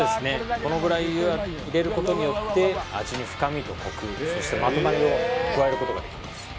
このぐらい入れることによって味に深みとコクそしてまとまりを加えることができます